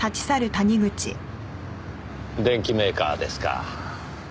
電機メーカーですか。